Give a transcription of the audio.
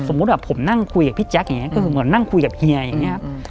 แบบผมนั่งคุยกับพี่แจ๊คอย่างนี้ก็คือเหมือนนั่งคุยกับเฮียอย่างนี้